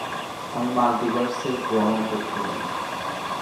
আমি মাল্টিভার্সে ভ্রমণ করতে পারি।